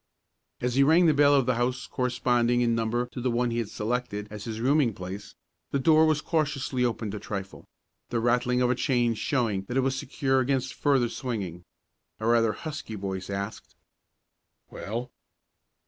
As he rang the bell of the house corresponding in number to the one he had selected as his rooming place, the door was cautiously opened a trifle, the rattling of a chain showing that it was secure against further swinging. A rather husky voice asked: "Well?"